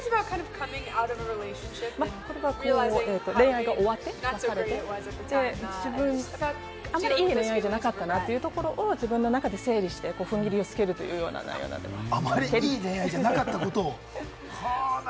これは恋愛が終わって、彼とあまりいい恋愛じゃなかったなというところを自分の中で整理して、踏ん切りをつけるというような内容になってます。